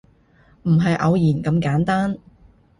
唔係偶然咁簡單